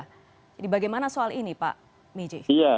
jadi bagaimana soal ini pak miji